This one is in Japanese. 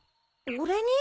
俺に？